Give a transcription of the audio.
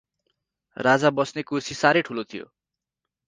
राजा बस्ने कुर्सी सार्है ठूलो थियो।